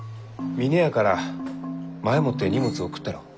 峰屋から前もって荷物を送ったろう？